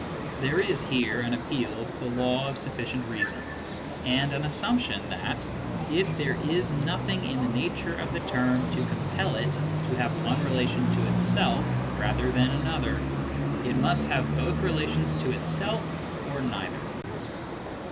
There is here an appeal to the law of suflB cient reason, and an assumption that, if there is nothing in the nature of a term to compel it to have one relation to itself rather than another, it must have both relations to itself or neither.